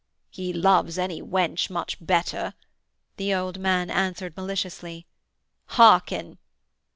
'He loves any wench much better,' the old man answered maliciously. 'Hearken!'